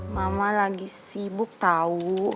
mama lagi sibuk tau